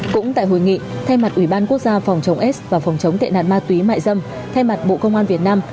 cũng tại hội nghị thay mặt ủy ban quốc gia phòng chống s và phòng chống tệ nạn ma túy mại dâm thay mặt bộ công an việt nam